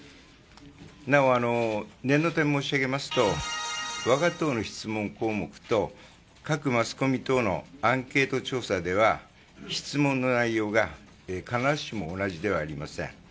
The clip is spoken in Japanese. なお、念のため申し上げますと我が党の質問項目と各マスコミ等のアンケート調査では質問の内容が必ずしも同じではありません。